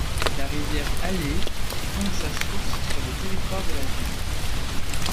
La rivière Aller prend sa source sur le territoire de la ville.